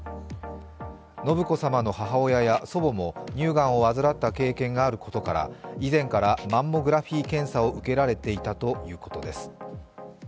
信子さまの母親や祖母も乳がんを患った経験があることから以前から、マンモグラフィー検査を受けられていたということです。